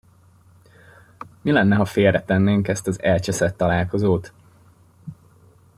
Mi lenne ha félretennénk ezt az elcseszett találkozót?